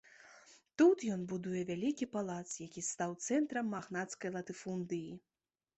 Тут ён будуе вялікі палац, які стаў цэнтрам магнацкай латыфундыі.